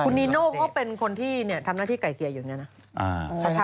นีโน่เขาเป็นคนที่ทำหน้าที่ไก่เสียอยู่เนี่ยนะ